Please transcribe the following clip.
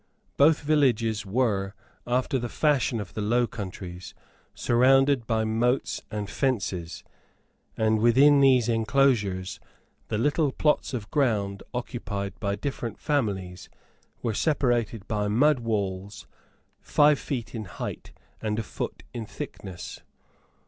Both villages were, after the fashion of the Low Countries, surrounded by moats and fences; and, within these enclosures, the little plots of ground occupied by different families were separated by mud walls five feet in height and a foot in thickness.